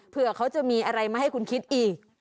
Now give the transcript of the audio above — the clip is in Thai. เผื่อเขาจะมีอะไรมาให้คุณคิดอีก